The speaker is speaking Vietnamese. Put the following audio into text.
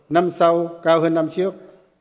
năm sau cao hơn năm trước